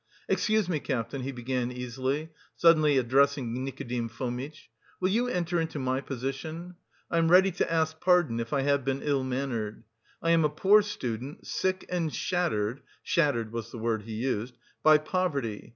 "Excuse me, Captain," he began easily, suddenly addressing Nikodim Fomitch, "will you enter into my position?... I am ready to ask pardon, if I have been ill mannered. I am a poor student, sick and shattered (shattered was the word he used) by poverty.